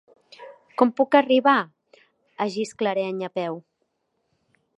Com puc arribar a Gisclareny a peu?